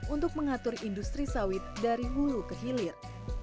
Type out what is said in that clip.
untuk mengatur industri sawit dari hulu ke hilir